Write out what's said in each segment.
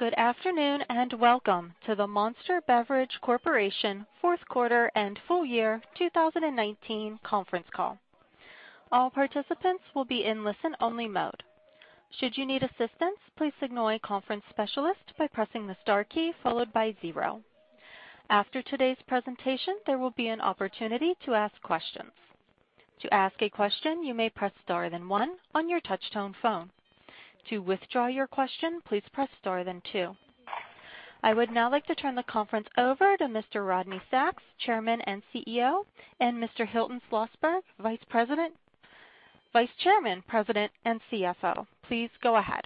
Good afternoon, welcome to the Monster Beverage Corporation fourth quarter and full year 2019 conference call. All participants will be in listen-only mode. Should you need assistance, please signal a conference specialist by pressing the star key followed by zero. After today's presentation, there will be an opportunity to ask questions. To ask a question, you may press star, then one on your touch-tone phone. To withdraw your question, please press star then two. I would now like to turn the conference over to Mr. Rodney Sacks, Chairman and CEO, and Mr. Hilton Schlosberg, Vice Chairman, President, and CFO. Please go ahead.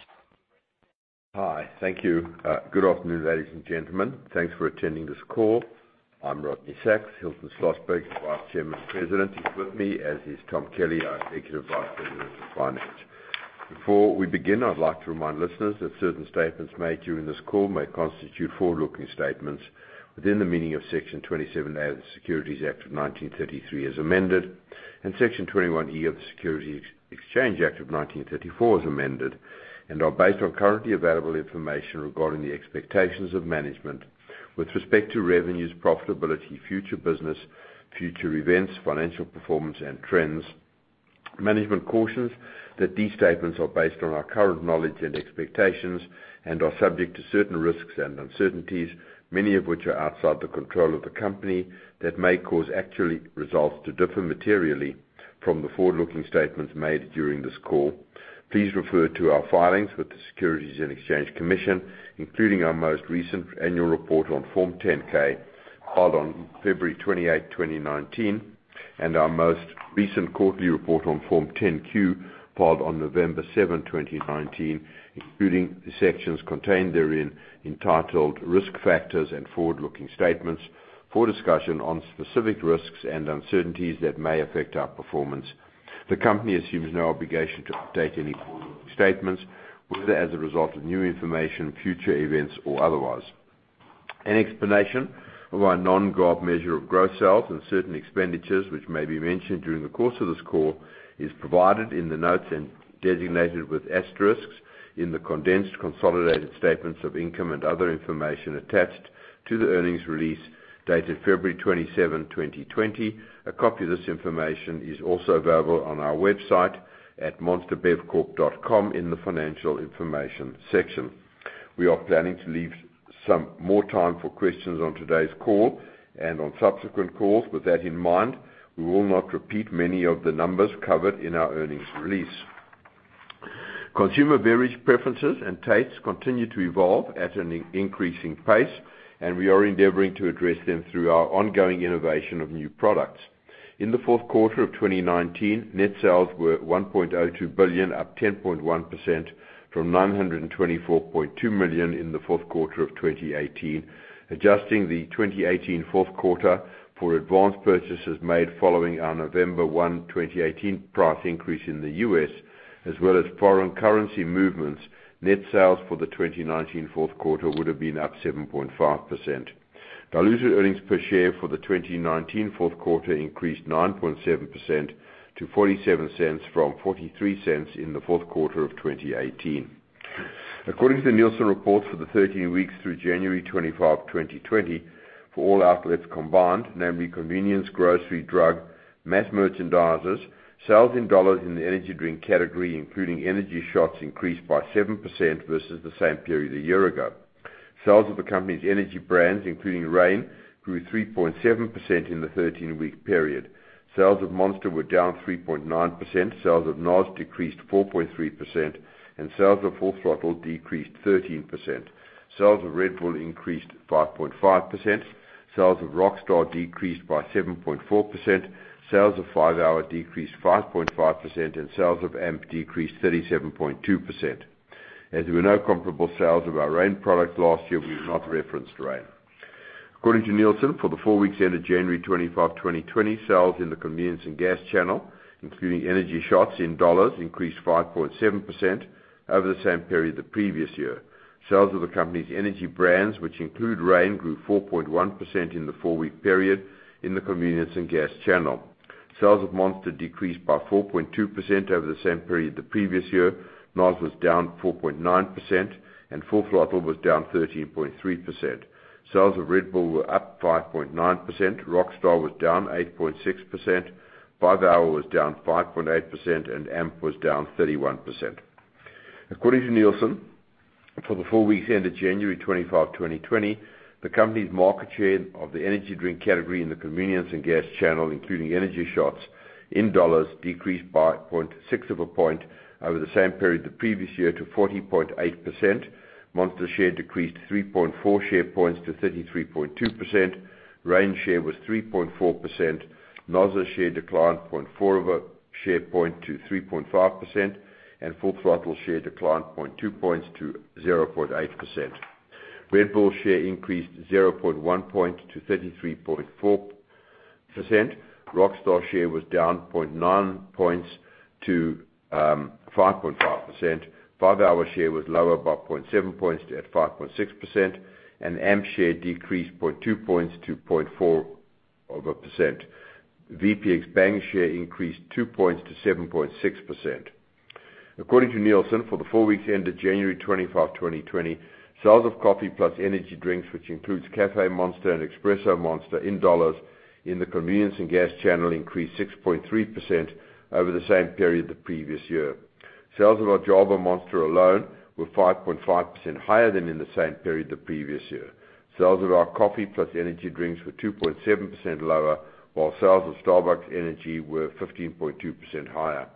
Hi. Thank you. Good afternoon, ladies and gentlemen. Thanks for attending this call. I'm Rodney Sacks. Hilton Schlosberg, Vice Chairman and President, He's with me, as is Tom Kelly, our Executive Vice President of Finance. Before we begin, I'd like to remind listeners that certain statements made during this call may constitute forward-looking statements within the meaning of Section 27A of the Securities Act of 1933 as amended, and Section 21E of the Securities Exchange Act of 1934 as amended, and are based on currently available information regarding the expectations of management with respect to revenues, profitability, future business, future events, financial performance and trends. Management cautions that these statements are based on our current knowledge and expectations and are subject to certain risks and uncertainties, many of which are outside the control of the company that may cause actual results to differ materially from the forward-looking statements made during this call. Please refer to our filings with the Securities and Exchange Commission, including our most recent annual report on Form 10-K, filed on February 28, 2019, and our most recent quarterly report on Form 10-Q, filed on November 7, 2019, including the sections contained therein entitled Risk Factors and Forward-Looking Statements, for discussion on specific risks and uncertainties that may affect our performance. The company assumes no obligation to update any forward-looking statements, whether as a result of new information, future events, or otherwise. An explanation of our non-GAAP measure of gross sales and certain expenditures which may be mentioned during the course of this call is provided in the notes and designated with asterisks in the condensed consolidated statements of income and other information attached to the earnings release dated February 27, 2020. A copy of this information is also available on our website at monsterbevcorp.com in the financial information section. We are planning to leave some more time for questions on today's call and on subsequent calls. With that in mind, we will not repeat many of the numbers covered in our earnings release. Consumer beverage preferences and tastes continue to evolve at an increasing pace, and we are endeavoring to address them through our ongoing innovation of new products. In the fourth quarter of 2019, net sales were $1.02 billion, up 10.1% from $924.2 million in the fourth quarter of 2018. Adjusting the 2018 fourth quarter for advance purchases made following our November 1, 2018, price increase in the U.S. as well as foreign currency movements, net sales for the 2019 fourth quarter would have been up 7.5%. Diluted earnings per share for the 2019 fourth quarter increased 9.7% to $0.47 from $0.43 in the fourth quarter of 2018. According to the Nielsen reports for the 13 weeks through January 25, 2020, for all outlets combined, namely convenience, grocery, drug, mass merchandisers, sales in dollars in the energy drink category, including energy shots, increased by 7% versus the same period a year ago. Sales of the company's energy brands, including Reign, grew 3.7% in the 13-week period. Sales of Monster were down 3.9%, sales of NOS decreased 4.3%, and sales of Full Throttle decreased 13%. Sales of Red Bull increased 5.5%, sales of Rockstar decreased by 7.4%, sales of 5-hour decreased 5.5%, and sales of AMP decreased 37.2%. As there were no comparable sales of our Reign product last year, we have not referenced Reign. According to Nielsen, for the four weeks ended January 25, 2020, sales in the convenience and gas channel, including energy shots in dollars, increased 5.7% over the same period the previous year. Sales of the company's energy brands, which include Reign, grew 4.1% in the four-week period in the convenience and gas channel. Sales of Monster decreased by 4.2% over the same period the previous year, NOS was down 4.9%, and Full Throttle was down 13.3%. Sales of Red Bull were up 5.9%, Rockstar was down 8.6%, 5-hour was down 5.8%, and AMP was down 31%. According to Nielsen, for the four weeks ended January 25, 2020, the company's market share of the energy drink category in the convenience and gas channel, including energy shots in dollars, decreased by 0.6 of a point over the same period the previous year to 40.8%. Monster share decreased 3.4 share points to 33.2%. Reign share was 3.4%, NOS's share declined 0.4 of a share point to 3.5%, and Full Throttle share declined 0.2 points to 0.8%. Red Bull share increased 0.1 point to 33.4%. Rockstar share was down 0.9 points to 5.5%. 5-hour share was lower by 0.7 points at 5.6%, and AMP share decreased 0.2 points to 0.4%. VPX Bang share increased 2 points to 7.6%. According to Nielsen, for the four weeks ended January 25, 2020, sales of coffee + energy drinks, which includes Caffé Monster and Espresso Monster in dollars in the convenience and gas channel increased 6.3% over the same period the previous year. Sales of our Java Monster alone were 5.5% higher than in the same period the previous year. Sales of our coffee + energy drinks were 2.7% lower, while sales of Starbucks Energy were 15.2% higher.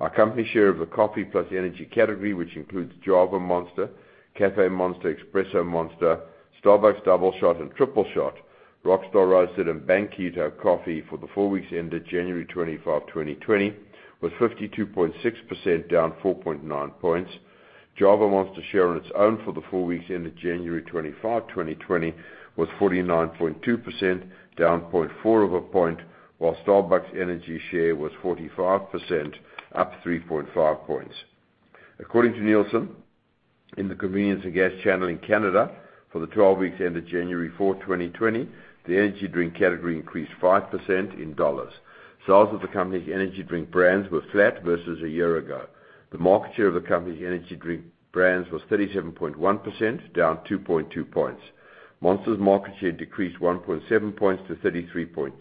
Our company share of the coffee + energy category, which includes Java Monster, Caffé Monster, Espresso Monster, Starbucks Doubleshot and Starbucks Tripleshot, Rockstar Roasted, and Bang Keto Coffee for the four weeks ended January 25, 2020, was 52.6% down 4.9 points. Java Monster share on its own for the four weeks ended January 25, 2020, was 49.2% down 0.4 of a point, while Starbucks energy share was 45% up 3.5 points. According to Nielsen, in the convenience and gas channel in Canada for the 12 weeks ended January 4, 2020, the energy drink category increased 5% in U.S. dollars. Sales of the company's energy drink brands were flat versus a year ago. The market share of the company's energy drink brands was 37.1% down 2.2 points. Monster's market share decreased 1.7 points to 33.2%.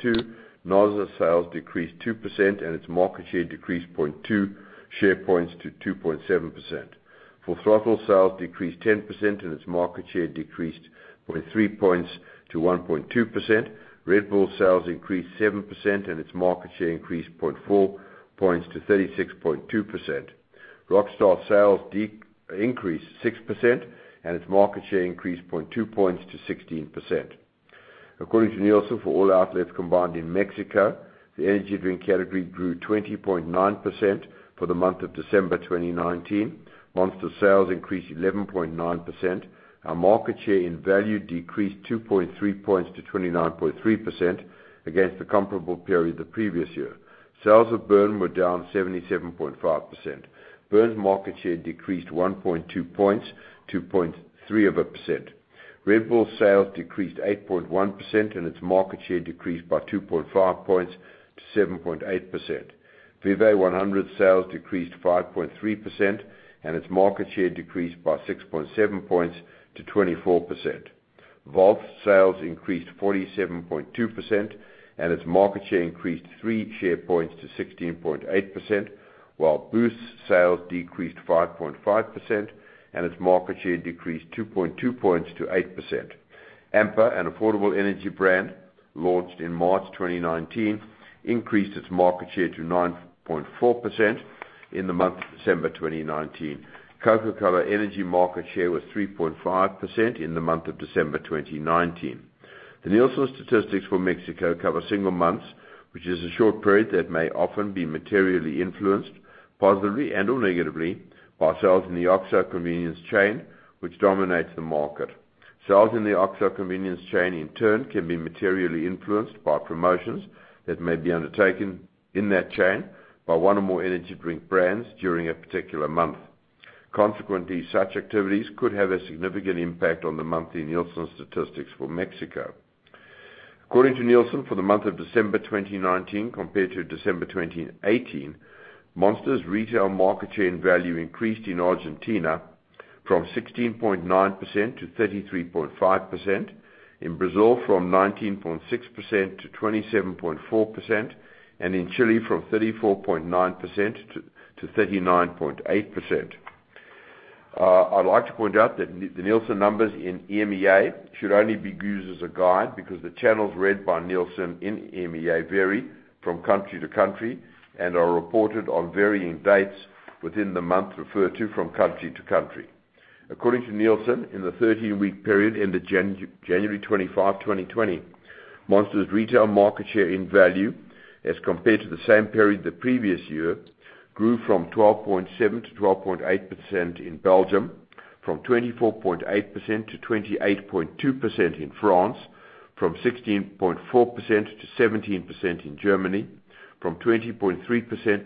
NOS sales decreased 2%, and its market share decreased 0.2 share points to 2.7%. Full Throttle sales decreased 10% and its market share decreased 0.3 points to 1.2%. Red Bull sales increased 7% and its market share increased 0.4 points to 36.2%. Rockstar sales increased 6% and its market share increased 0.2 points to 16%. According to Nielsen, for all outlets combined in Mexico, the energy drink category grew 20.9% for the month of December 2019. Monster sales increased 11.9%. Our market share in value decreased 2.3 points to 29.3% against the comparable period the previous year. Sales of Burn were down 77.5%. Burn's market share decreased 1.2 points to 0.3%. Red Bull sales decreased 8.1% and its market share decreased by 2.5 points to 7.8%. Vive 100 sales decreased 5.3% and its market share decreased by 6.7 points to 24%. Vault sales increased 47.2% and its market share increased 3 share points to 16.8%, while Boost sales decreased 5.5% and its market share decreased 2.2 points to 8%. Amper, an affordable energy brand launched in March 2019, increased its market share to 9.4% in the month of December 2019. Coca-Cola Energy market share was 3.5% in the month of December 2019. The Nielsen statistics for Mexico cover single months, which is a short period that may often be materially influenced positively and/or negatively by sales in the OXXO convenience chain, which dominates the market. Sales in the OXXO convenience chain, in turn, can be materially influenced by promotions that may be undertaken in that chain by one or more energy drink brands during a particular month. Consequently, such activities could have a significant impact on the monthly Nielsen statistics for Mexico. According to Nielsen, for the month of December 2019 compared to December 2018, Monster's retail market share in value increased in Argentina from 16.9% to 33.5%, in Brazil from 19.6% to 27.4%, and in Chile from 34.9% to 39.8%. I'd like to point out that the Nielsen numbers in EMEA should only be used as a guide because the channels read by Nielsen in EMEA vary from country to country and are reported on varying dates within the month referred to from country to country. According to Nielsen, in the 13-week period ended January 25, 2020, Monster's retail market share in value as compared to the same period the previous year grew from 12.7% to 12.8% in Belgium, from 24.8% to 28.2% in France, from 16.4% to 17% in Germany, from 20.3%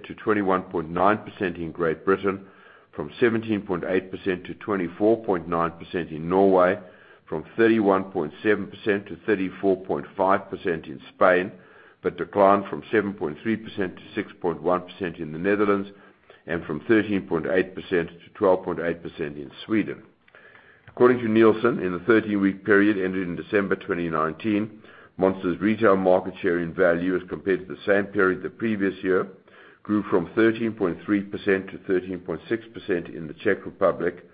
to 21.9% in Great Britain, from 17.8% to 24.9% in Norway, from 31.7% to 34.5% in Spain, but declined from 7.3% to 6.1% in the Netherlands and from 13.8% to 12.8% in Sweden. According to Nielsen, in the 13-week period ending December 2019, Monster's retail market share in value as compared to the same period the previous year grew from 13.3% to 13.6% in the Czech Republic,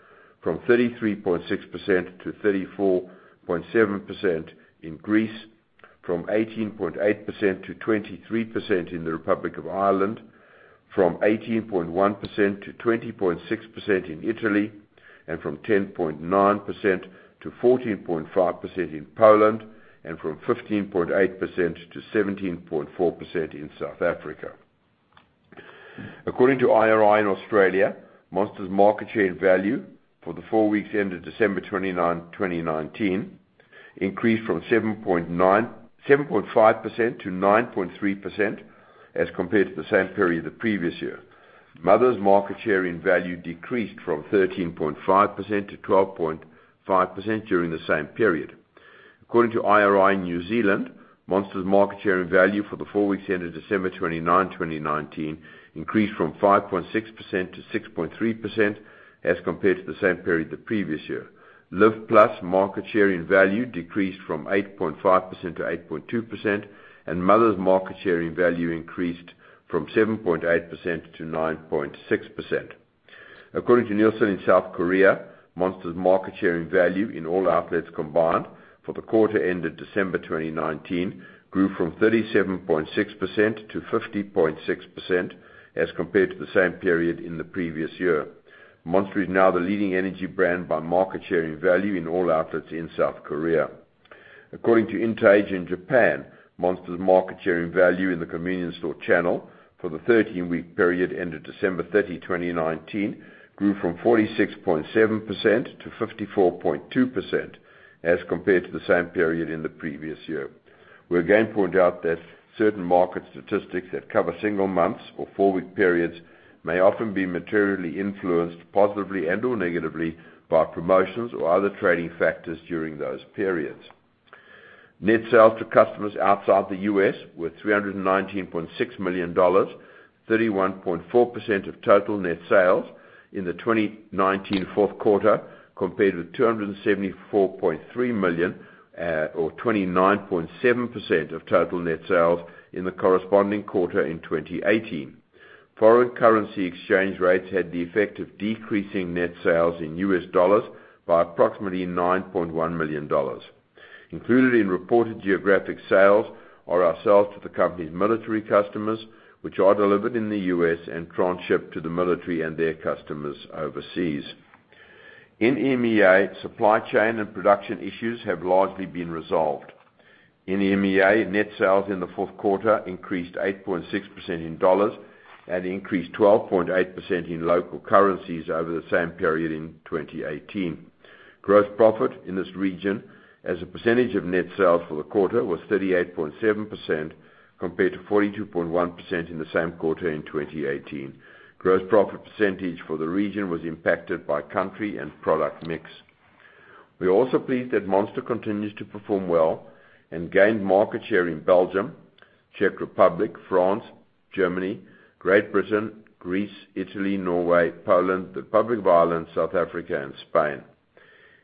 from 33.6% to 34.7% in Greece, from 18.8% to 23% in the Republic of Ireland, from 18.1% to 20.6% in Italy, and from 10.9% to 14.5% in Poland, and from 15.8% to 17.4% in South Africa. According to IRI in Australia, Monster's market share in value for the four weeks ended December 29, 2019, increased from 7.5% to 9.3% as compared to the same period the previous year. Mother's market share in value decreased from 13.5% to 12.5% during the same period. According to IRI New Zealand, Monster's market share in value for the four weeks ended December 29, 2019, increased from 5.6% to 6.3% as compared to the same period the previous year. Live+ market share in value decreased from 8.5% to 8.2%, and Mother's market share in value increased from 7.8% to 9.6%. According to Nielsen in South Korea, Monster's market share in value in all outlets combined for the quarter ended December 2019 grew from 37.6% to 50.6% as compared to the same period in the previous year. Monster is now the leading energy brand by market share in value in all outlets in South Korea. According to INTAGE in Japan, Monster's market share in value in the convenience store channel for the 13-week period ended December 30, 2019, grew from 46.7% to 54.2% as compared to the same period in the previous year. We again point out that certain market statistics that cover single months or four-week periods may often be materially influenced positively and/or negatively by promotions or other trading factors during those periods. Net sales to customers outside the U.S. were $319.6 million, 31.4% of total net sales in the 2019 fourth quarter, compared with $274.3 million or 29.7% of total net sales in the corresponding quarter in 2018. Foreign currency exchange rates had the effect of decreasing net sales in U.S. dollars by approximately $9.1 million. Included in reported geographic sales are our sales to the company's military customers, which are delivered in the U.S. and transshipped to the military and their customers overseas. In EMEA, supply chain and production issues have largely been resolved. In EMEA, net sales in the fourth quarter increased 8.6% in dollars and increased 12.8% in local currencies over the same period in 2018. Gross profit in this region as a percentage of net sales for the quarter was 38.7% compared to 42.1% in the same quarter in 2018. Gross profit percentage for the region was impacted by country and product mix. We are also pleased that Monster continues to perform well and gained market share in Belgium, Czech Republic, France, Germany, Great Britain, Greece, Italy, Norway, Poland, the Republic of Ireland, South Africa, and Spain.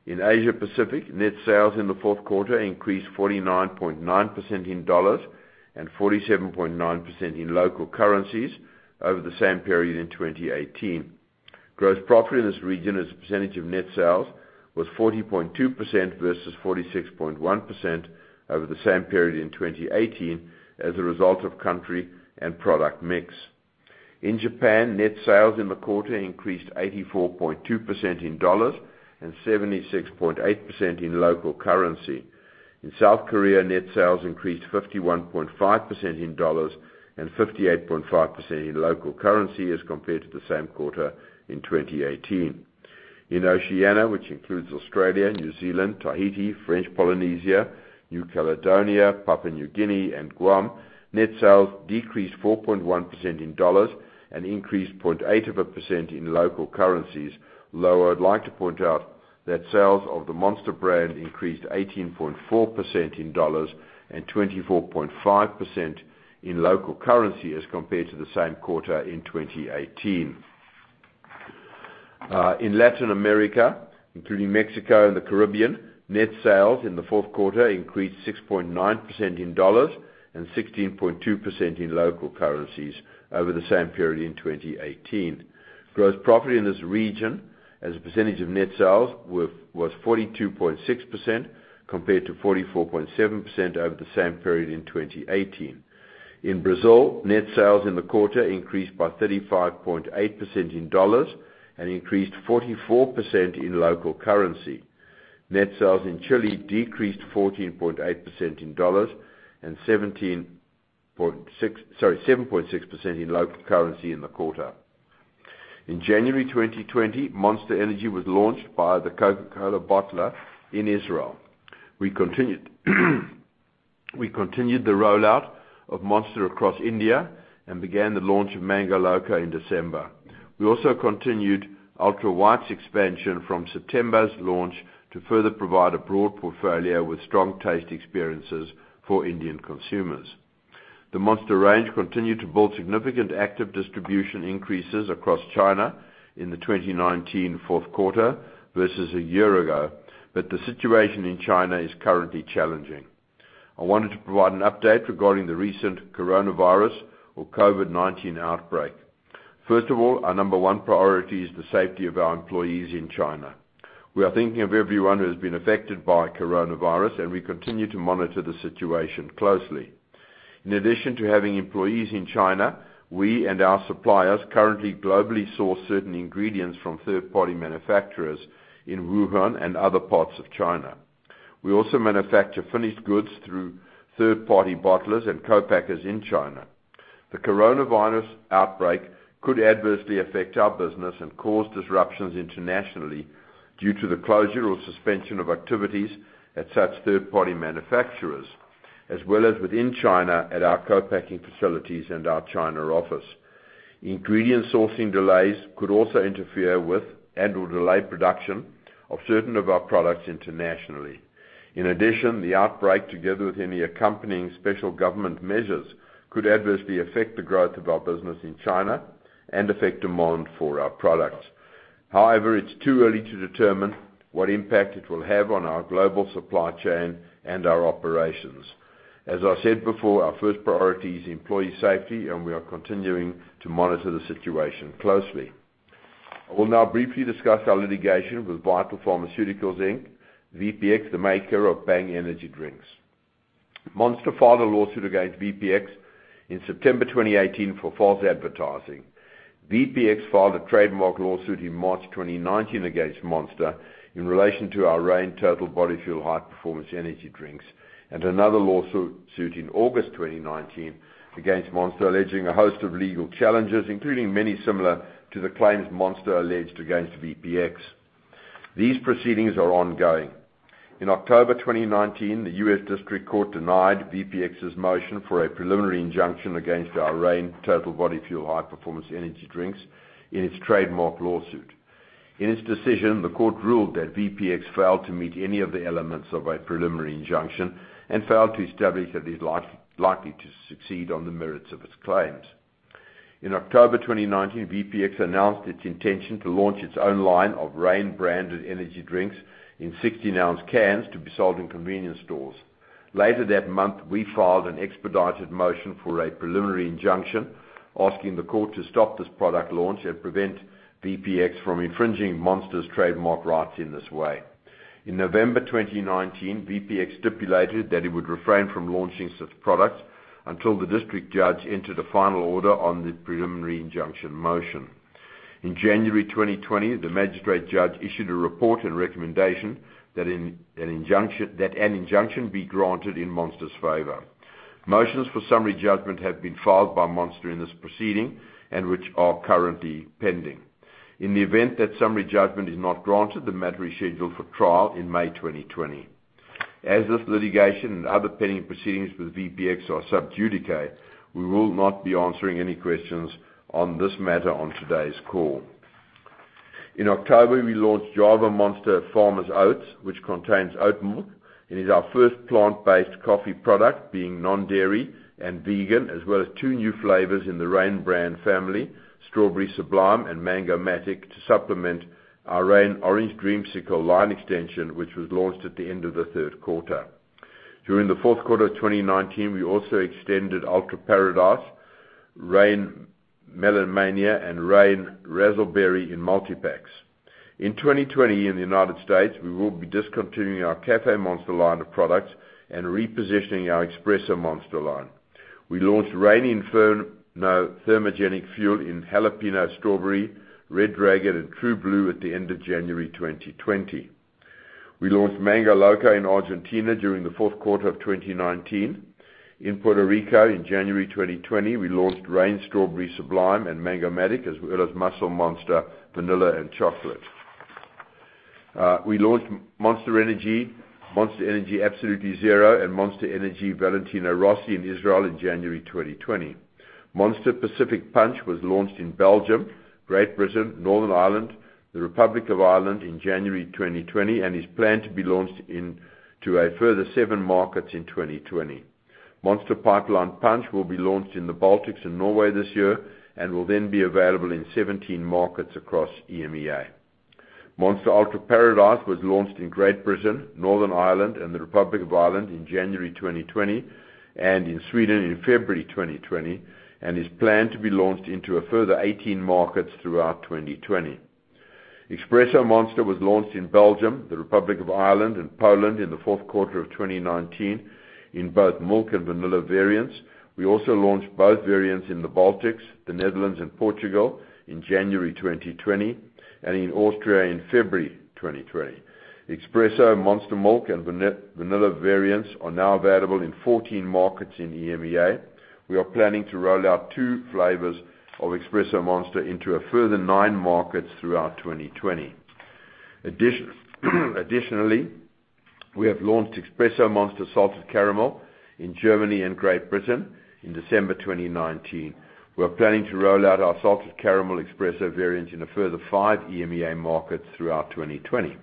In Asia Pacific, net sales in the fourth quarter increased 49.9% in dollars and 47.9% in local currencies over the same period in 2018. Gross profit in this region as a percentage of net sales was 40.2% versus 46.1% over the same period in 2018 as a result of country and product mix. In Japan, net sales in the quarter increased 84.2% in dollars and 76.8% in local currency. In South Korea, net sales increased 51.5% in dollars and 58.5% in local currency as compared to the same quarter in 2018. In Oceania, which includes Australia, New Zealand, Tahiti, French Polynesia, New Caledonia, Papua New Guinea, and Guam, net sales decreased 4.1% in dollars and increased 0.8% in local currencies. I would like to point out that sales of the Monster brand increased 18.4% in dollars and 24.5% in local currency as compared to the same quarter in 2018. In Latin America, including Mexico and the Caribbean, net sales in the fourth quarter increased 6.9% in dollars and 16.2% in local currencies over the same period in 2018. Gross profit in this region as a percentage of net sales was 42.6% compared to 44.7% over the same period in 2018. In Brazil, net sales in the quarter increased by 35.8% in dollars and increased 44% in local currency. Net sales in Chile decreased 14.8% in dollars and 7.6% in local currency in the quarter. In January 2020, Monster Energy was launched by the Coca-Cola bottler in Israel. We continued the rollout of Monster across India and began the launch of Mango Loco in December. We also continued Ultra White's expansion from September's launch to further provide a broad portfolio with strong taste experiences for Indian consumers. The Monster range continued to build significant active distribution increases across China in the 2019 fourth quarter versus a year ago, but the situation in China is currently challenging. I wanted to provide an update regarding the recent coronavirus or COVID-19 outbreak. First of all, our number one priority is the safety of our employees in China. We are thinking of everyone who has been affected by coronavirus, and we continue to monitor the situation closely. In addition to having employees in China, we and our suppliers currently globally source certain ingredients from third-party manufacturers in Wuhan and other parts of China. We also manufacture finished goods through third-party bottlers and co-packers in China. The coronavirus outbreak could adversely affect our business and cause disruptions internationally due to the closure or suspension of activities at such third-party manufacturers, as well as within China at our co-packing facilities and our China office. Ingredient sourcing delays could also interfere with and/or delay production of certain of our products internationally. In addition, the outbreak, together with any accompanying special government measures, could adversely affect the growth of our business in China and affect demand for our products. However, it's too early to determine what impact it will have on our global supply chain and our operations. As I said before, our first priority is employee safety, and we are continuing to monitor the situation closely. I will now briefly discuss our litigation with Vital Pharmaceuticals, Inc. VPX, the maker of Bang energy drinks. Monster filed a lawsuit against VPX in September 2018 for false advertising. VPX filed a trademark lawsuit in March 2019 against Monster in relation to our Reign Total Body Fuel high performance energy drinks, and another lawsuit in August 2019 against Monster alleging a host of legal challenges, including many similar to the claims Monster alleged against VPX. These proceedings are ongoing. In October 2019, the U.S. District Court denied VPX's motion for a preliminary injunction against our Reign Total Body Fuel high performance energy drinks in its trademark lawsuit. In its decision, the court ruled that VPX failed to meet any of the elements of a preliminary injunction and failed to establish that it is likely to succeed on the merits of its claims. In October 2019, VPX announced its intention to launch its own line of Reign-branded energy drinks in 16-ounce cans to be sold in convenience stores. Later that month, we filed an expedited motion for a preliminary injunction, asking the court to stop this product launch and prevent VPX from infringing Monster's trademark rights in this way. In November 2019, VPX stipulated that it would refrain from launching such products until the district judge entered a final order on the preliminary injunction motion. In January 2020, the magistrate judge issued a report and recommendation that an injunction be granted in Monster's favor. Motions for summary judgment have been filed by Monster in this proceeding and which are currently pending. In the event that summary judgment is not granted, the matter is scheduled for trial in May 2020. As this litigation and other pending proceedings with VPX are sub judice, we will not be answering any questions on this matter on today's call. In October, we launched Java Monster Farmer's Oats, which contains oat milk and is our first plant-based coffee product, being non-dairy and vegan, as well as two new flavors in the Reign brand family, Strawberry Sublime and Mango Matic, to supplement our Reign Orange Dreamsicle line extension, which was launched at the end of the third quarter. During the fourth quarter of 2019, we also extended Ultra Paradise, Reign Melon Mania, and Reign Razzle Berry in multipacks. In 2020 in the United States, we will be discontinuing our Caffé Monster line of products and repositioning our Espresso Monster line. We launched Reign Inferno thermogenic fuel in Jalapeno Strawberry, Red Dragon, and True BLU at the end of January 2020. We launched Mango Loco in Argentina during the fourth quarter of 2019. In Puerto Rico in January 2020, we launched Reign Strawberry Sublime and Mango Matic, as well as Muscle Monster Vanilla and Chocolate. We launched Monster Energy, Monster Energy Absolutely Zero, and Monster Energy Valentino Rossi in Israel in January 2020. Monster Pacific Punch was launched in Belgium, Great Britain, Northern Ireland, the Republic of Ireland in January 2020 and is planned to be launched into a further seven markets in 2020. Monster Pipeline Punch will be launched in the Baltics and Norway this year and will then be available in 17 markets across EMEA. Monster Ultra Paradise was launched in Great Britain, Northern Ireland, and the Republic of Ireland in January 2020 and in Sweden in February 2020 and is planned to be launched into a further 18 markets throughout 2020. Espresso Monster was launched in Belgium, the Republic of Ireland, and Poland in the fourth quarter of 2019 in both milk and vanilla variants. We also launched both variants in the Baltics, the Netherlands, and Portugal in January 2020 and in Austria in February 2020. Espresso Monster milk and vanilla variants are now available in 14 markets in EMEA. We are planning to roll out two flavors of Espresso Monster into a further nine markets throughout 2020. Additionally, we have launched Espresso Monster Salted Caramel in Germany and Great Britain in December 2019. We are planning to roll out our salted caramel Espresso variants in a further five EMEA markets throughout 2020.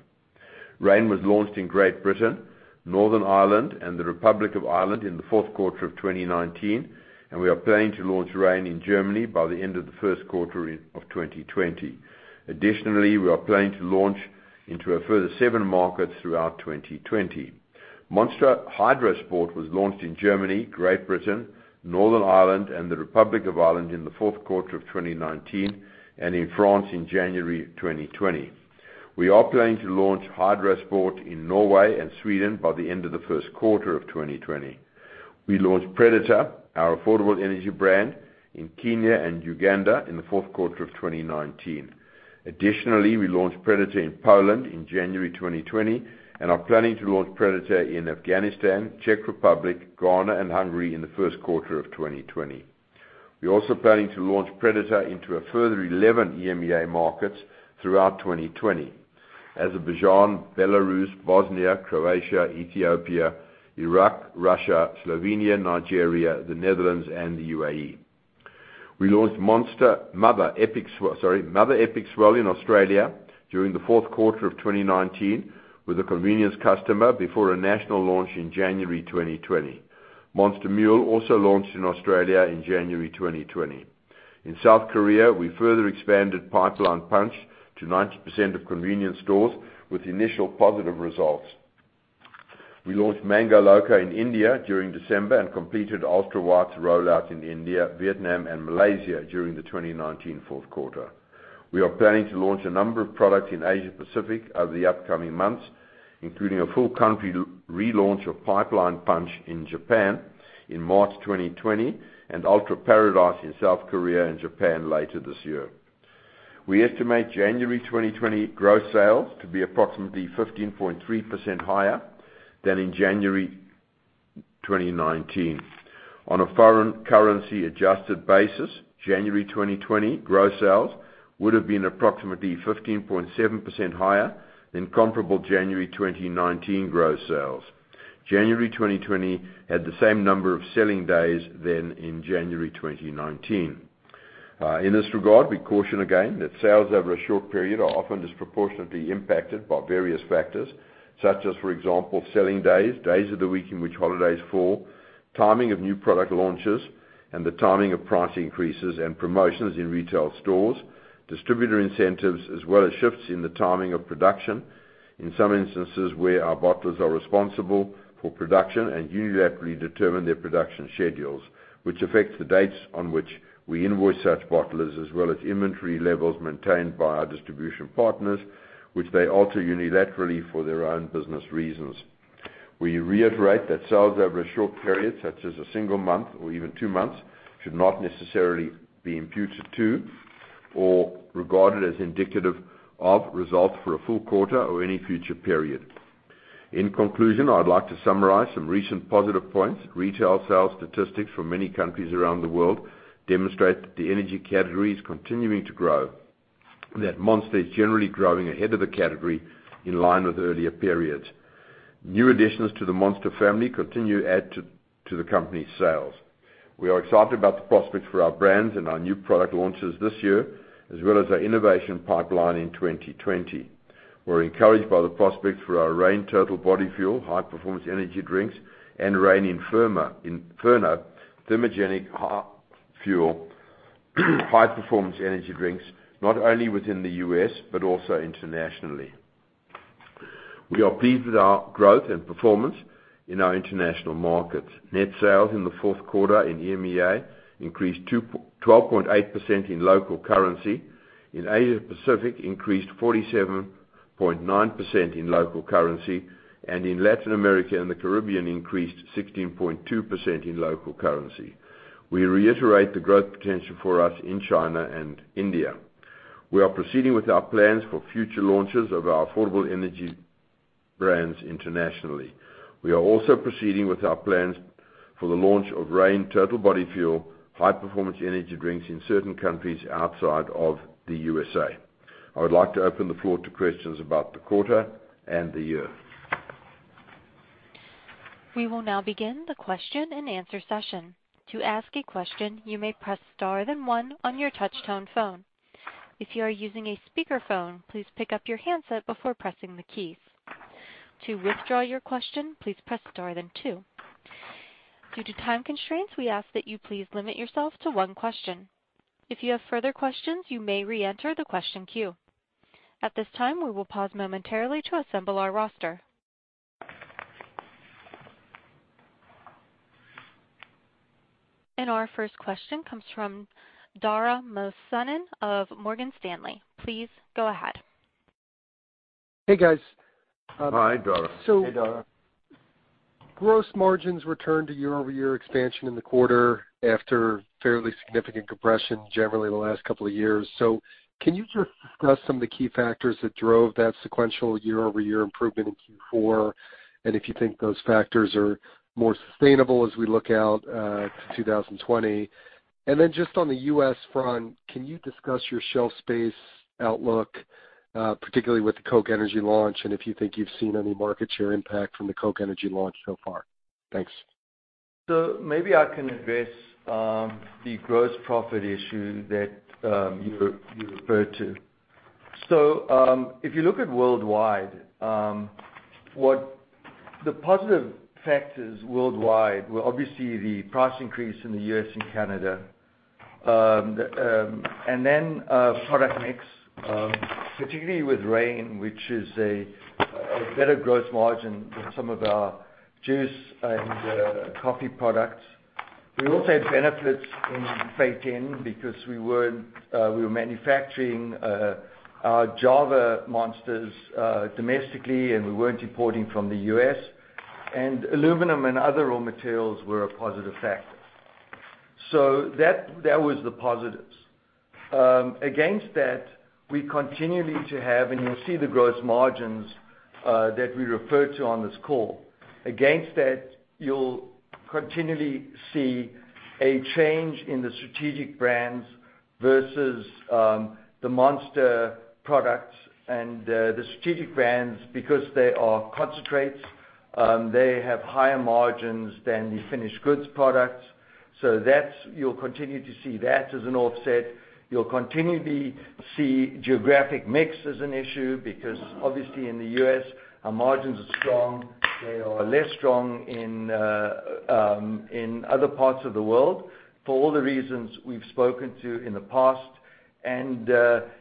Reign was launched in Great Britain, Northern Ireland, and the Republic of Ireland in the fourth quarter of 2019, and we are planning to launch Reign in Germany by the end of the first quarter of 2020. Additionally, we are planning to launch into a further seven markets throughout 2020. Monster HydroSport was launched in Germany, Great Britain, Northern Ireland, and the Republic of Ireland in the fourth quarter of 2019 and in France in January 2020. We are planning to launch HydroSport in Norway and Sweden by the end of the first quarter of 2020. We launched Predator, our affordable energy brand, in Kenya and Uganda in the fourth quarter of 2019. Additionally, we launched Predator in Poland in January 2020 and are planning to launch Predator in Afghanistan, Czech Republic, Ghana, and Hungary in the first quarter of 2020. We're also planning to launch Predator into a further 11 EMEA markets throughout 2020. Azerbaijan, Belarus, Bosnia, Croatia, Ethiopia, Iraq, Russia, Slovenia, Nigeria, the Netherlands, and the UAE. We launched Mother Epic Swell in Australia during the fourth quarter of 2019 with a convenience customer before a national launch in January 2020. Monster Mule also launched in Australia in January 2020. In South Korea, we further expanded Pipeline Punch to 90% of convenience stores with initial positive results. We launched Mango Loco in India during December and completed Ultra White's rollout in India, Vietnam, and Malaysia during the 2019 fourth quarter. We are planning to launch a number of products in Asia Pacific over the upcoming months, including a full country relaunch of Pipeline Punch in Japan in March 2020 and Ultra Paradise in South Korea and Japan later this year. We estimate January 2020 gross sales to be approximately 15.3% higher than in January 2019. On a foreign currency adjusted basis, January 2020 gross sales would've been approximately 15.7% higher than comparable January 2019 gross sales. January 2020 had the same number of selling days than in January 2019. In this regard, we caution again that sales over a short period are often disproportionately impacted by various factors such as, for example, selling days of the week in which holidays fall, timing of new product launches, and the timing of price increases and promotions in retail stores, distributor incentives, as well as shifts in the timing of production. In some instances where our bottlers are responsible for production and unilaterally determine their production schedules, which affects the dates on which we invoice such bottlers, as well as inventory levels maintained by our distribution partners, which they alter unilaterally for their own business reasons. We reiterate that sales over a short period, such as a single month or even two months, should not necessarily be imputed to or regarded as indicative of results for a full quarter or any future period. In conclusion, I would like to summarize some recent positive points. Retail sales statistics from many countries around the world demonstrate that the energy category is continuing to grow and that Monster is generally growing ahead of the category in line with earlier periods. New additions to the Monster family continue to add to the company's sales. We are excited about the prospects for our brands and our new product launches this year, as well as our innovation pipeline in 2020. We're encouraged by the prospects for our Reign Total Body Fuel high performance energy drinks and Reign Inferno Thermogenic Fuel high performance energy drinks, not only within the U.S. but also internationally. We are pleased with our growth and performance in our international markets. Net sales in the fourth quarter in EMEA increased 12.8% in local currency. In Asia Pacific increased 47.9% in local currency, and in Latin America and the Caribbean increased 16.2% in local currency. We reiterate the growth potential for us in China and India. We are proceeding with our plans for future launches of our affordable energy brands internationally. We are also proceeding with our plans for the launch of Reign Total Body Fuel high performance energy drinks in certain countries outside of the U.S.A. I would like to open the floor to questions about the quarter and the year. We will now begin the question and answer session. To ask a question, you may press star then one on your touch tone phone. If you are using a speakerphone, please pick up your handset before pressing the keys. To withdraw your question, please press star then two. Due to time constraints, we ask that you please limit yourself to one question. If you have further questions, you may reenter the question queue. At this time, we will pause momentarily to assemble our roster. Our first question comes from Dara Mohsenian of Morgan Stanley. Please go ahead. Hey, guys. Hi, Dara. Hey, Dara. Gross margins returned to year-over-year expansion in the quarter after fairly significant compression generally the last couple of years. Can you just discuss some of the key factors that drove that sequential year-over-year improvement in Q4 and if you think those factors are more sustainable as we look out to 2020? Then just on the U.S. front, can you discuss your shelf space outlook, particularly with the Coke Energy launch and if you think you've seen any market share impact from the Coke Energy launch so far? Thanks. Maybe I can address the gross profit issue that you referred to. If you look at worldwide, the positive factors worldwide were obviously the price increase in the U.S. and Canada, and then product mix, particularly with Reign, which is a better gross margin than some of our juice and coffee products. We also had benefits in freight-in because we were manufacturing our Java Monsters domestically, and we weren't importing from the U.S., and aluminum and other raw materials were a positive factor. That was the positives. Against that, we continually to have, you'll see the gross margins that we refer to on this call. Against that, you'll continually see a change in the strategic brands versus the Monster products and the strategic brands, because they are concentrates. They have higher margins than the finished goods products. You'll continue to see that as an offset. You'll continually see geographic mix as an issue because obviously in the U.S., our margins are strong. They are less strong in other parts of the world for all the reasons we've spoken to in the past.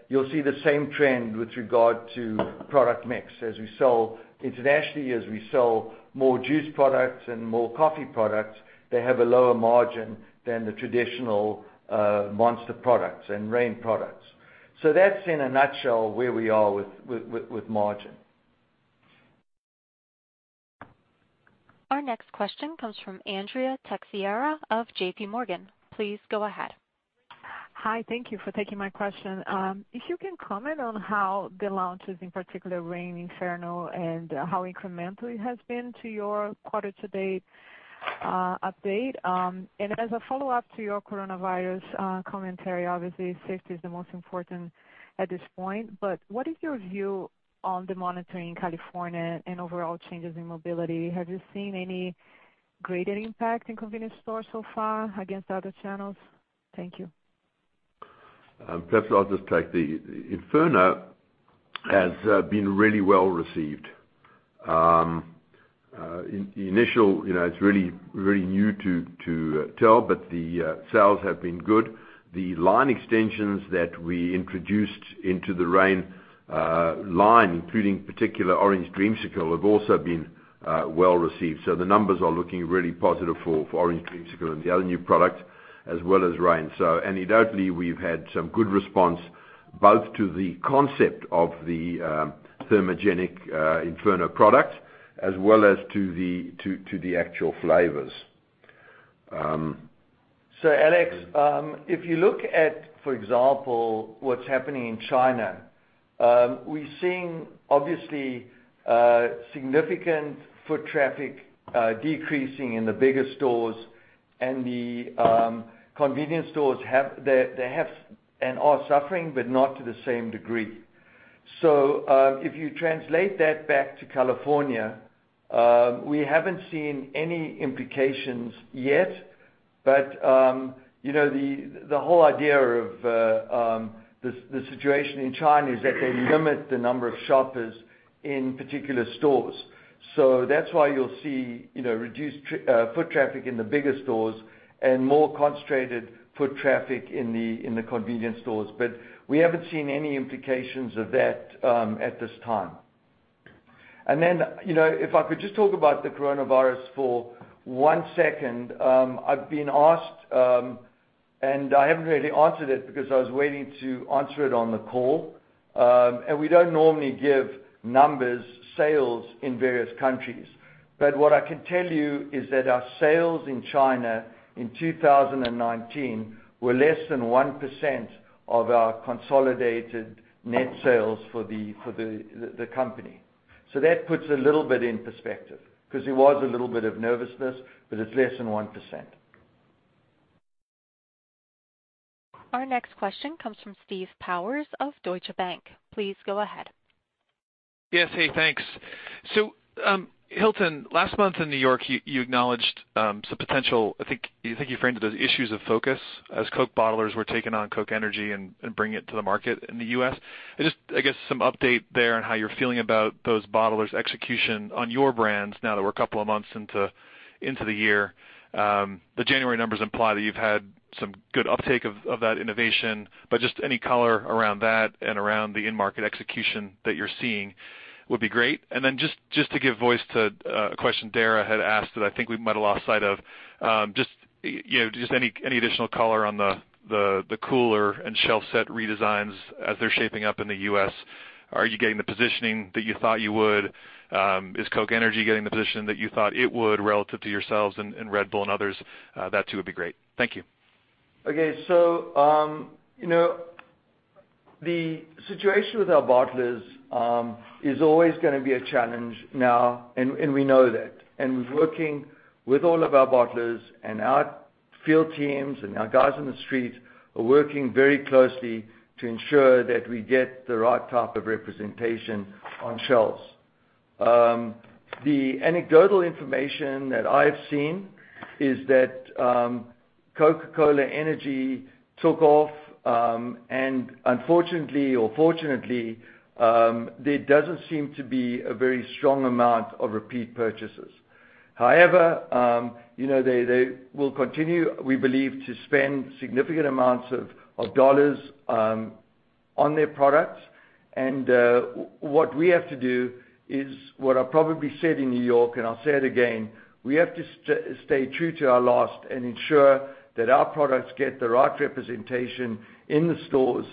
You'll see the same trend with regard to product mix as we sell internationally, as we sell more juice products and more coffee products, they have a lower margin than the traditional Monster products and Reign products. That's in a nutshell where we are with margin. Our next question comes from Andrea Teixeira of JPMorgan. Please go ahead. Hi. Thank you for taking my question. If you can comment on how the launches, in particular Reign Inferno, and how incremental it has been to your quarter-to-date update. As a follow-up to your coronavirus commentary, obviously safety is the most important at this point, but what is your view on the monitoring in California and overall changes in mobility? Have you seen any greater impact in convenience stores so far against other channels? Thank you. Perhaps I'll just take the Inferno has been really well received. It's really new to tell, but the sales have been good. The line extensions that we introduced into the Reign line, including particular Orange Dreamsicle, have also been well received. The numbers are looking really positive for Orange Dreamsicle and the other new product as well as Reign. Anecdotally, we've had some good response both to the concept of the thermogenic Inferno product as well as to the actual flavors. [Alex], if you look at, for example, what's happening in China, we're seeing obviously significant foot traffic decreasing in the bigger stores and the convenience stores, they have and are suffering, but not to the same degree. If you translate that back to California, we haven't seen any implications yet, but the whole idea of the situation in China is that they limit the number of shoppers in particular stores. That's why you'll see reduced foot traffic in the bigger stores and more concentrated foot traffic in the convenience stores. We haven't seen any implications of that at this time. If I could just talk about the coronavirus for one second. I've been asked, and I haven't really answered it because I was waiting to answer it on the call. We don't normally give numbers, sales in various countries. What I can tell you is that our sales in China in 2019 were less than 1% of our consolidated net sales for the company. That puts a little bit in perspective because there was a little bit of nervousness, but it's less than 1%. Our next question comes from Steve Powers of Deutsche Bank. Please go ahead. Yes. Hey, thanks. Hilton, last month in New York, you acknowledged some potential, I think you framed it as issues of focus as Coke bottlers were taking on Coke Energy and bringing it to the market in the U.S. Just, I guess, some update there on how you're feeling about those bottlers' execution on your brands now that we're a couple of months into the year. The January numbers imply that you've had some good uptake of that innovation, just any color around that and around the in-market execution that you're seeing would be great. Just to give voice to a question Dara had asked that I think we might've lost sight of, just any additional color on the cooler and shelf set redesigns as they're shaping up in the U.S. Are you getting the positioning that you thought you would? Is Coke Energy getting the position that you thought it would relative to yourselves and Red Bull and others? That too would be great. Thank you. Okay. The situation with our bottlers, is always going to be a challenge now, and we know that. We're working with all of our bottlers and our field teams and our guys on the street are working very closely to ensure that we get the right type of representation on shelves. The anecdotal information that I've seen is that Coca-Cola Energy took off, and unfortunately or fortunately, there doesn't seem to be a very strong amount of repeat purchases. However, they will continue, we believe, to spend significant amounts of dollars on their products. What we have to do is what I probably said in New York, and I'll say it again, we have to stay true to our laws and ensure that our products get the right representation in the stores.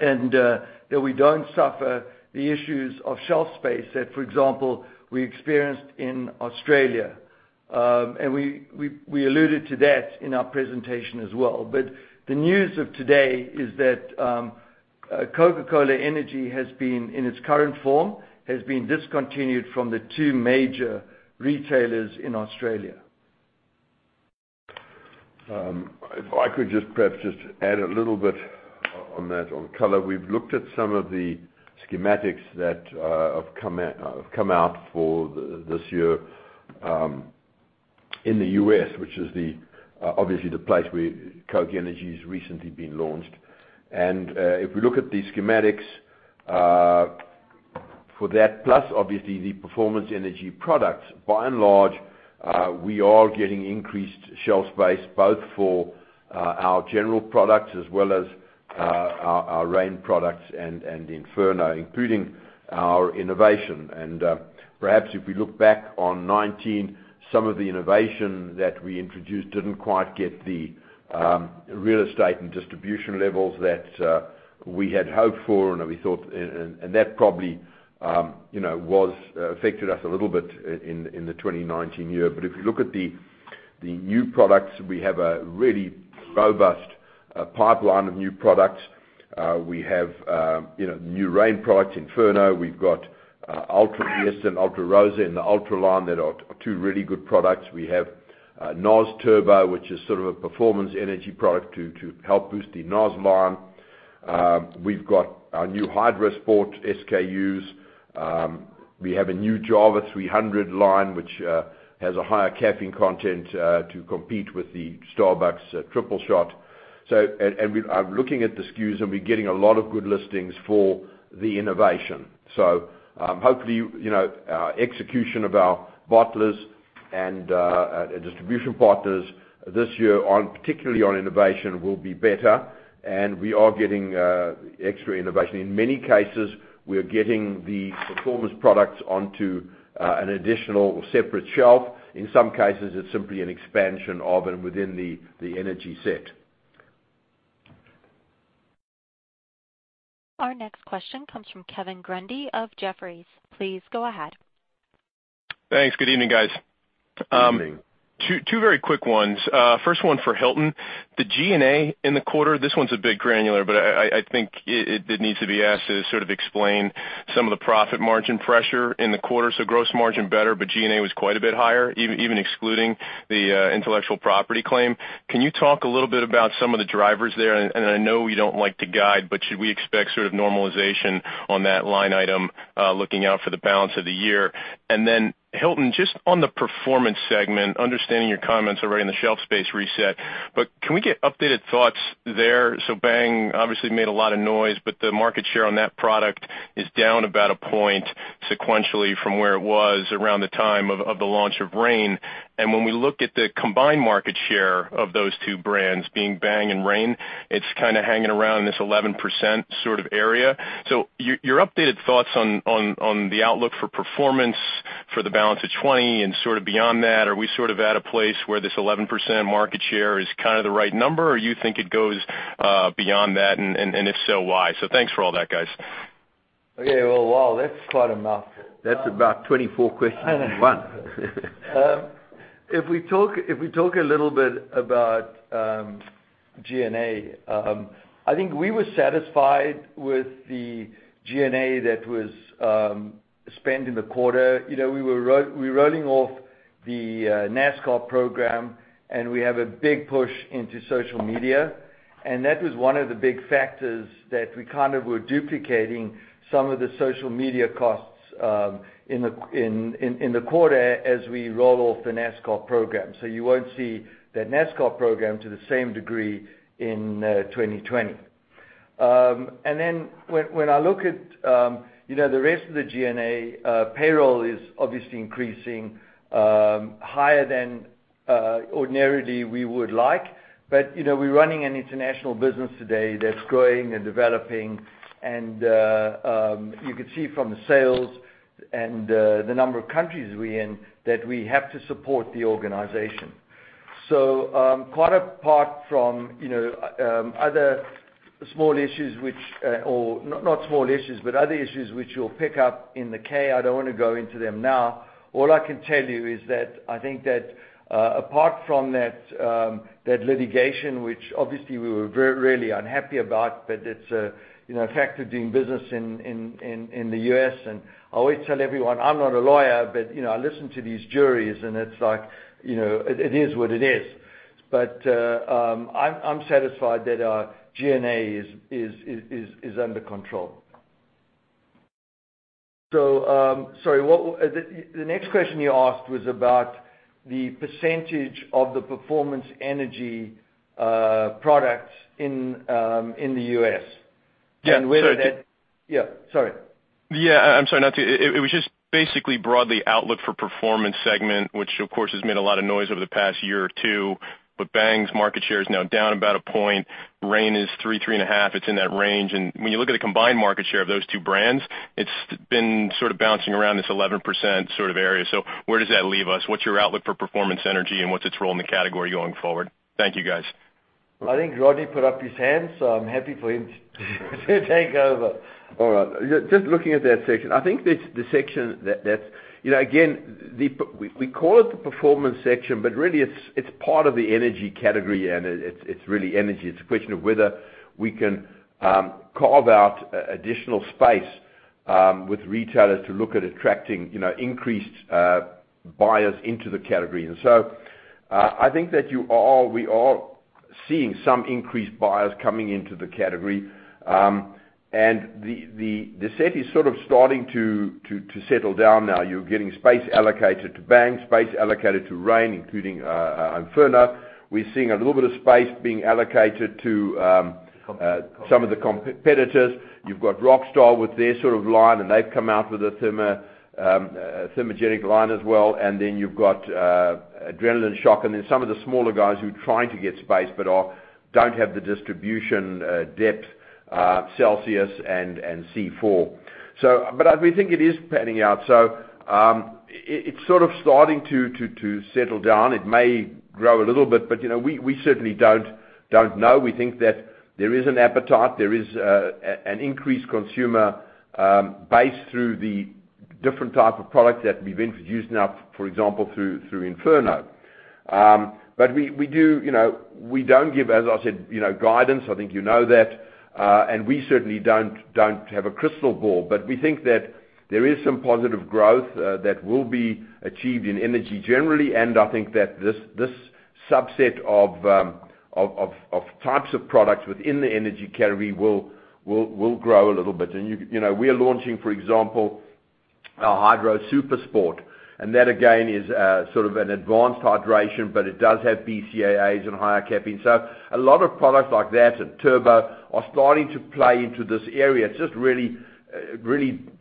That we don't suffer the issues of shelf space that, for example, we experienced in Australia. We alluded to that in our presentation as well. The news of today is that Coca-Cola Energy, in its current form, has been discontinued from the two major retailers in Australia. If I could just perhaps add a little bit on that, on color. We've looked at some of the schematics that have come out for this year in the U.S., which is obviously the place where Coke Energy has recently been launched. If we look at the schematics for that, plus obviously the performance energy products, by and large, we are getting increased shelf space both for our general products as well as our Reign products and Inferno, including our innovation. Perhaps if we look back on 2019, some of the innovation that we introduced didn't quite get the real estate and distribution levels that we had hoped for and that probably affected us a little bit in the 2019 year. If you look at the new products, we have a really robust pipeline of new products. We have new Reign products, Inferno. We've got Ultra [Fiesta] and Ultra Rosá in the Ultra line that are two really good products. We have NOS Turbo, which is sort of a performance energy product to help boost the NOS line. We've got our new HydroSport SKUs. We have a new Java 300 line, which has a higher caffeine content to compete with the Starbucks Tripleshot. Looking at the SKUs, and we're getting a lot of good listings for the innovation. Hopefully, execution of our bottlers and distribution partners this year, particularly on innovation, will be better, and we are getting extra innovation. In many cases, we are getting the performance products onto an additional or separate shelf. In some cases, it's simply an expansion of and within the energy set. Our next question comes from Kevin Grundy of Jefferies. Please go ahead. Thanks. Good evening, guys. Good evening. Two very quick ones. First one for Hilton. The G&A in the quarter, this one's a bit granular. I think it needs to be asked to sort of explain some of the profit margin pressure in the quarter. Gross margin better. G&A was quite a bit higher, even excluding the intellectual property claim. Can you talk a little bit about some of the drivers there? I know you don't like to guide. Should we expect sort of normalization on that line item looking out for the balance of the year? Hilton, just on the performance segment, understanding your comments already on the shelf space reset. Can we get updated thoughts there? Bang obviously made a lot of noise, but the market share on that product is down about one point sequentially from where it was around the time of the launch of Reign. When we look at the combined market share of those two brands being Bang and Reign, it's kind of hanging around this 11% sort of area. Your updated thoughts on the outlook for performance for the balance of 2020 and beyond that. Are we sort of at a place where this 11% market share is the right number, or you think it goes beyond that? If so, why? Thanks for all that, guys. Okay, well, wow, that's quite a mouthful. That's about 24 questions in one. If we talk a little bit about G&A, I think we were satisfied with the G&A that was spent in the quarter. We're rolling off the NASCAR program, and we have a big push into social media. That was one of the big factors that we kind of were duplicating some of the social media costs in the quarter as we roll off the NASCAR program. You won't see that NASCAR program to the same degree in 2020. Then when I look at the rest of the G&A, payroll is obviously increasing higher than ordinarily we would like. We're running an international business today that's growing and developing, and you could see from the sales and the number of countries we're in that we have to support the organization. Quite apart from other small issues, or not small issues, but other issues which you'll pick up in the K, I don't want to go into them now. All I can tell you is that I think that apart from that litigation, which obviously we were really unhappy about, but it's a factor doing business in the U.S. I always tell everyone I'm not a lawyer, but I listen to these juries and it is what it is. I'm satisfied that our G&A is under control. Sorry, the next question you asked was about the percentage of the performance energy products in the U.S? Yeah. Yeah, sorry. Yeah, I'm sorry. It was just basically broadly outlook for performance segment, which of course has made a lot of noise over the past year or two. Bang's market share is now down about 1 point. Reign is 3%-3.5%. It's in that range. When you look at the combined market share of those two brands, it's been sort of bouncing around this 11% sort of area. Where does that leave us? What's your outlook for performance energy and what's its role in the category going forward? Thank you, guys. I think Rodney put up his hand, so I'm happy for him to take over. All right. Just looking at that section, again, we call it the performance section, but really it's part of the energy category, and it's really energy. It's a question of whether we can carve out additional space with retailers to look at attracting increased buyers into the category. I think that we are seeing some increased buyers coming into the category. The set is sort of starting to settle down now. You're getting space allocated to Bang, space allocated to Reign, including Inferno. We're seeing a little bit of space being allocated to some of the competitors. You've got Rockstar with their sort of line, and they've come out with a thermogenic line as well. Then you've got Adrenaline Shoc, and then some of the smaller guys who are trying to get space but don't have the distribution depth, Celsius and C4. We think it is panning out. It's sort of starting to settle down. It may grow a little bit, but we certainly don't know. We think that there is an appetite, there is an increased consumer base through the different type of products that we've introduced now, for example, through Inferno. We don't give, as I said, guidance. I think you know that. We certainly don't have a crystal ball. We think that there is some positive growth that will be achieved in energy generally. I think that this subset of types of products within the energy category will grow a little bit. We are launching, for example, our HydroSport Super. That, again, is sort of an advanced hydration, but it does have BCAAs and higher caffeine. A lot of products like that and Turbo are starting to play into this area. It's just really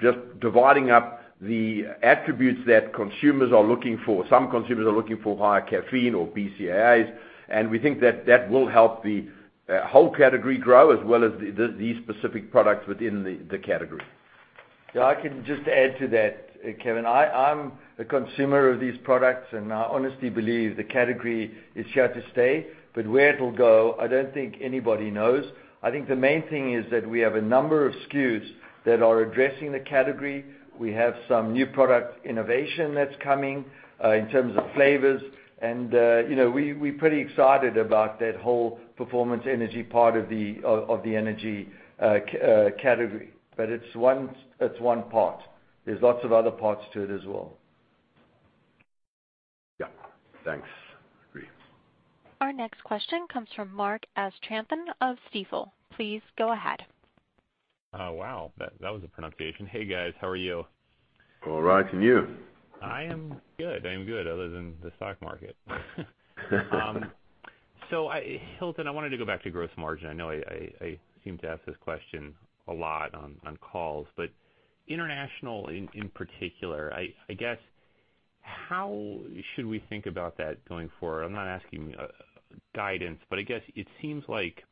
just dividing up the attributes that consumers are looking for. Some consumers are looking for higher caffeine or BCAAs, and we think that that will help the whole category grow, as well as these specific products within the category. If I can just add to that, Kevin. I'm a consumer of these products, and I honestly believe the category is here to stay. Where it'll go, I don't think anybody knows. I think the main thing is that we have a number of SKUs that are addressing the category. We have some new product innovation that's coming in terms of flavors, and we're pretty excited about that whole performance energy part of the energy category. It's one part. There's lots of other parts to it as well. Yeah. Thanks. Agree. Our next question comes from Mark Astrachan of Stifel. Please go ahead. Oh, wow. That was a pronunciation. Hey, guys. How are you? All right. You? I am good. I am good other than the stock market. Hilton, I wanted to go back to gross margin. I know I seem to ask this question a lot on calls. International in particular, I guess how should we think about that going forward? I'm not asking guidance, but I guess it seems like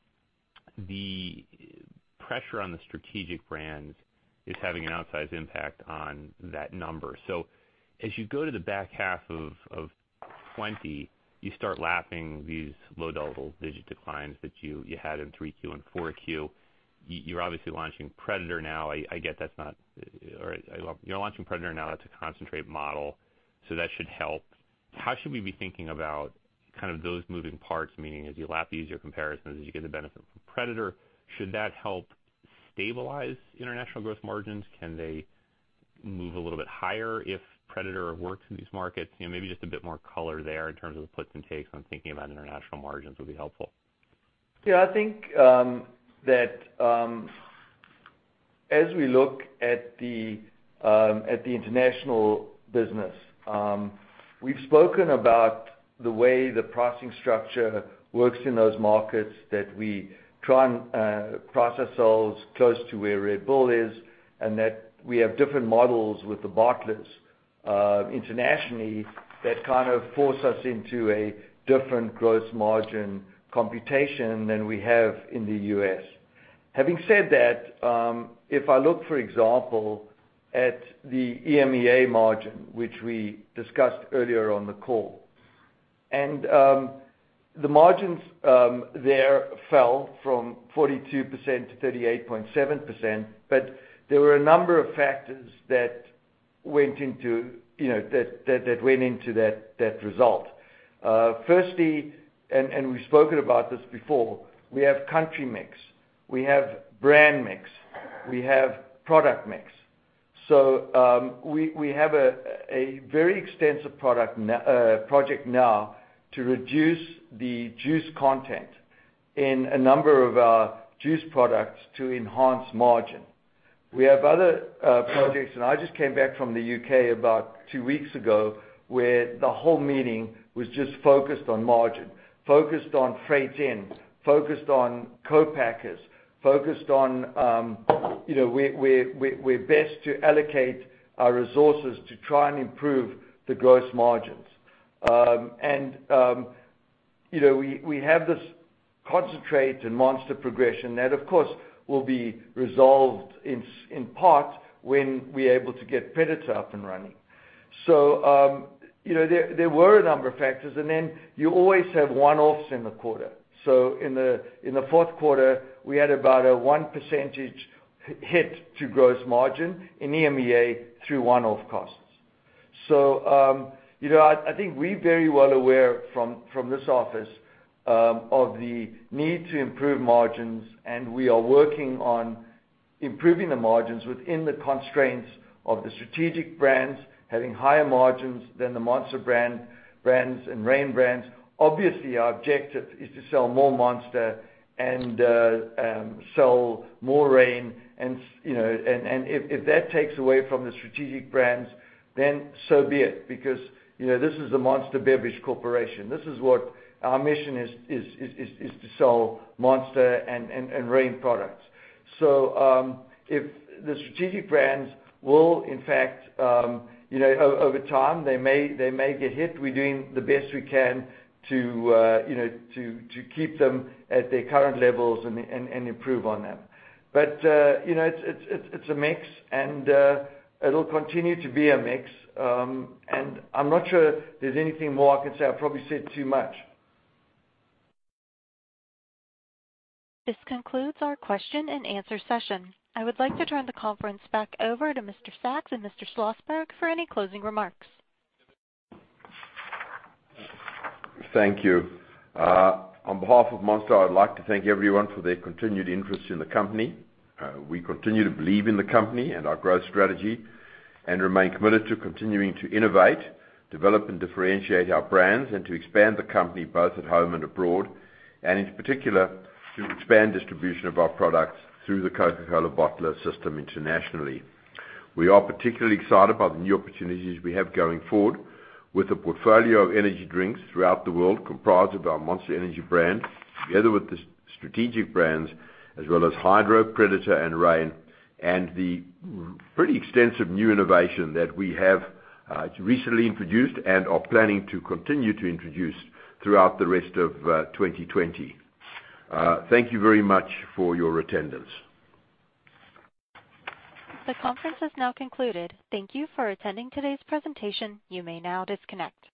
the pressure on the strategic brands is having an outsized impact on that number. As you go to the back half of 2020, you start lapping these low double-digit declines that you had in 3Q and 4Q. You're obviously launching Predator now. That's a concentrate model, so that should help. How should we be thinking about kind of those moving parts? Meaning, as you lap these year comparisons, as you get the benefit from Predator, should that help stabilize international gross margins? Can they move a little bit higher if Predator works in these markets? Maybe just a bit more color there in terms of the puts and takes on thinking about international margins would be helpful. Yeah. I think that as we look at the international business, we've spoken about the way the pricing structure works in those markets, that we try and price ourselves close to where Red Bull is, and that we have different models with the bottlers internationally that kind of force us into a different gross margin computation than we have in the U.S. Having said that, if I look, for example, at the EMEA margin, which we discussed earlier on the call, and the margins there fell from 42% to 38.7%, but there were a number of factors that went into that result. Firstly, and we've spoken about this before, we have country mix, we have brand mix, we have product mix. We have a very extensive project now to reduce the juice content in a number of our juice products to enhance margin. We have other projects. I just came back from the U.K. about two weeks ago, where the whole meeting was just focused on margin, focused on freight in, focused on co-packers, focused on where best to allocate our resources to try and improve the gross margins. We have this concentrate and Monster progression that, of course, will be resolved in part when we're able to get Predator up and running. There were a number of factors, and then you always have one-offs in the quarter. In the fourth quarter, we had about a 1 percentage hit to gross margin in EMEA through one-off costs. I think we're very well aware from this office of the need to improve margins, and we are working on improving the margins within the constraints of the strategic brands having higher margins than the Monster brands and Reign brands. Obviously, our objective is to sell more Monster and sell more Reign. If that takes away from the strategic brands, then so be it, because this is the Monster Beverage Corporation. This is what our mission is to sell Monster and Reign products. If the strategic brands will in fact, over time, they may get hit. We're doing the best we can to keep them at their current levels and improve on them. It's a mix and it'll continue to be a mix. I'm not sure there's anything more I can say. I probably said too much. This concludes our question and answer session. I would like to turn the conference back over to Mr. Sacks and Mr. Schlosberg for any closing remarks. Thank you. On behalf of Monster, I'd like to thank everyone for their continued interest in the company. We continue to believe in the company and our growth strategy and remain committed to continuing to innovate, develop, and differentiate our brands, and to expand the company both at home and abroad. In particular, to expand distribution of our products through the Coca-Cola bottler system internationally. We are particularly excited about the new opportunities we have going forward with a portfolio of energy drinks throughout the world, comprised of our Monster Energy brand, together with the strategic brands, as well as Hydro, Predator, and Reign, and the pretty extensive new innovation that we have recently introduced and are planning to continue to introduce throughout the rest of 2020. Thank you very much for your attendance. The conference has now concluded. Thank you for attending today's presentation. You may now disconnect.